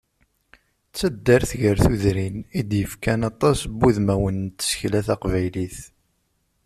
D taddart gar tudrin, i d-yefkan aṭas n wudmawen n tsekla taqbaylit.